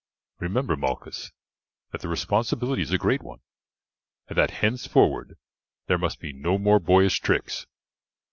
Remember, Malchus, that the responsibility is a great one, and that henceforward there must be no more boyish tricks.